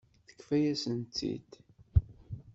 Yefka-yasent-tt-id.